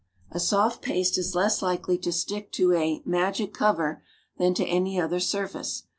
A soft paste is less likely to stick to a "magic cover" than to any other surface.